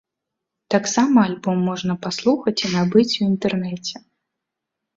Таксама альбом можна паслухаць і набыць у інтэрнэце.